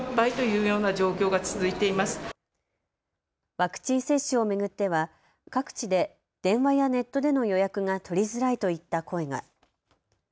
ワクチン接種を巡っては各地で電話やネットでの予約が取りづらいといった声が。